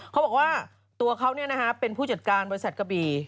เขาบอกว่าตัวเขาเนี่ยนะฮะเป็นผู้จัดการบริษัทกะบี